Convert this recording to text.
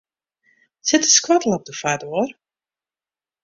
Sit de skoattel op de foardoar?